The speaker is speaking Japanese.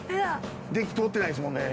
電気通ってないですもんね。